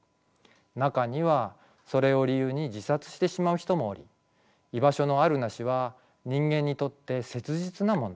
中にはそれを理由に自殺してしまう人もおり居場所のあるなしは人間にとって切実な問題です。